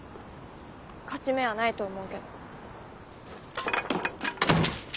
勝ち目はないと思うけど。